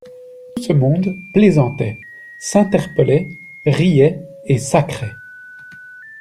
Tout ce monde plaisantait, s'interpellait, riait et sacrait.